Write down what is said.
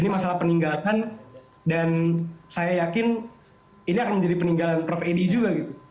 ini masalah peninggalan dan saya yakin ini akan menjadi peninggalan prof edi juga gitu